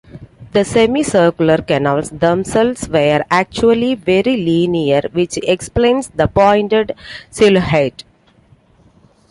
The semi-"circular" canals themselves were actually very linear, which explains the pointed silhouette.